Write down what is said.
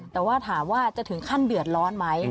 ถือว่าถามว่าจะถึงขั้นเดือดร้อนมั้ย